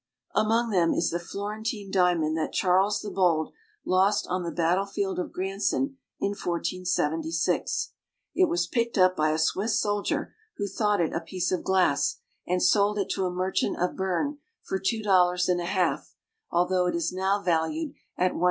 Among them is the Florentine diamond that Charles, the Bold lost on the battlefield of Granson in 1476. It was picked up by a IN THE CAPITAL OF AUSTRIA HUNGARY. 289 Swiss soldier, who thought it a piece of glass and sold it to a merchant of Bern for two dollars and a half, although it is now valued at $125,000.